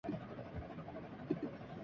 وہ پرندے جو آنکھ